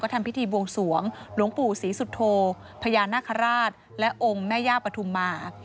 ทำพิธีบวงสวงหลวงปู่ศรีสุโธพญานาคาราชและองค์แม่ย่าปฐุมมา